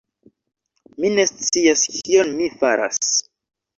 Mi ne scias kion mi faras.